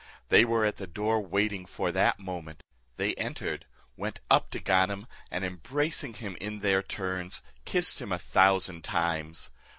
They were at the door waiting for that moment. They entered, went up to Ganem, and embracing him in their turns, kissed him a thousand times.